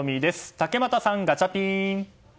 竹俣さん、ガチャピン！